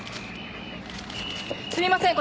すみません